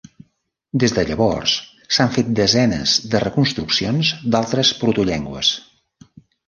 Des de llavors, s'han fet desenes de reconstruccions d'altres protollengües.